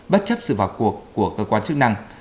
bất chấp sự vào cuộc của cơ quan chức năng